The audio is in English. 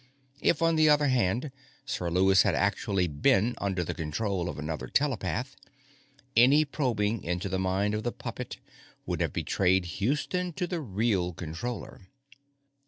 If, on the other hand, Sir Lewis had actually been under the control of another telepath, any probing into the mind of the puppet would have betrayed Houston to the real Controller.